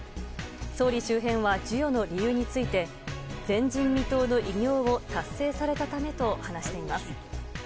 総理周辺は授与の理由について前人未到の偉業を達成されたためと話しています。